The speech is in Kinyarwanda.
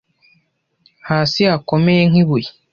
hasi hakomeye nk ibuye